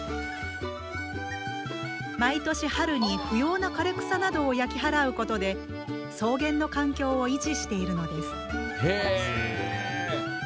毎年春に不要な枯れ草などを焼き払うことで草原の環境を維持しているのです。